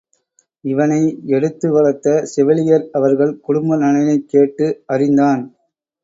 இவனை எடுத்து வளர்த்த செவிலியர் அவர்கள் குடும்ப நலனைக் கேட்டு அறிந்தான்.